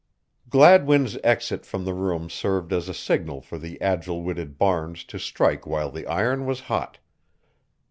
Gladwin's exit from the room served as a signal for the agile witted Barnes to strike while the iron was hot.